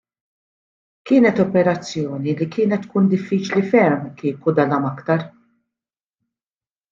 Kienet operazzjoni li kienet tkun diffiċli ferm kieku dalam aktar.